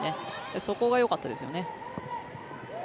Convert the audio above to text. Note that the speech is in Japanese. そこがよかったですよね。